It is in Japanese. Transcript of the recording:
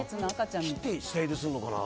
切って下ゆでするのかな。